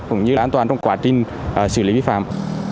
cũng như an toàn trong quá trình xử lý vi phạm